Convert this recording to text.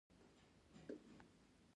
افغانستان د زغال د ساتنې لپاره قوانین لري.